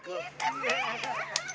bisa bahasa kisah sih